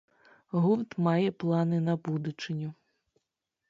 Гурт мае планы на будучыню.